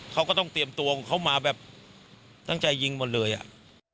เขาก็ต้องเตรียมตัวของเขามาแบบตั้งใจยิงหมดเลยอ่ะ